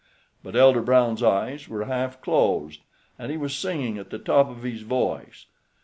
But Elder Brown's eyes were half closed, and he was singing at the top of his voice.